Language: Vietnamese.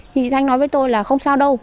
thì thanh nói với tôi là không sao đâu